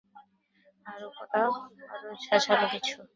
আরও কড়া, আরও ঝাঝালো কিছু।